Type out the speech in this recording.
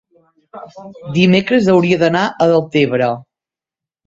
dimecres hauria d'anar a Deltebre.